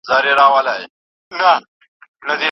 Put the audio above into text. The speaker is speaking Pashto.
املا د اورېدلو مهارت ډېر پیاوړی کوي.